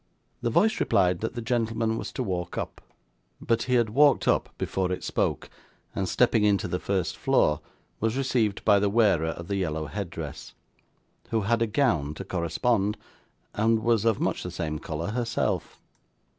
The voice replied that the gentleman was to walk up; but he had walked up before it spoke, and stepping into the first floor, was received by the wearer of the yellow head dress, who had a gown to correspond, and was of much the same colour herself.